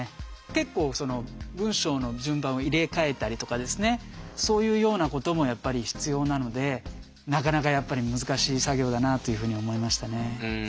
結構文章の順番を入れ替えたりとかですねそういうようなこともやっぱり必要なのでなかなかやっぱり難しい作業だなというふうに思いましたね。